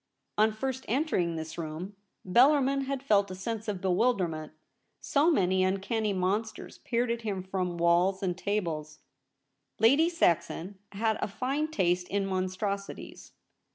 On first entering this room, Bellarmin had felt a sense of bewilderment, so many uncanny monsters peered at him from walls and tables. LITER A SCRIPT A. 217 Lady Saxon had a fine taste in monstrosities.